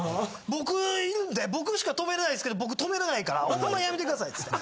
僕いるんで僕しか止めれないですけど僕止めれないからホンマやめてくださいって言って。